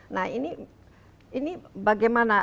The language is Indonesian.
nah ini bagaimana